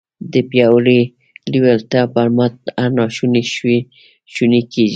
د پياوړې لېوالتیا پر مټ هر ناشونی شونی کېږي.